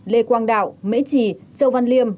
lê quang đạo mễ trì châu văn liêm